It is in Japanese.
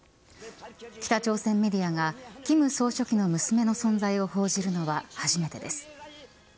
北朝鮮メディアが金総書記の娘の存在を報じるのは初めてです。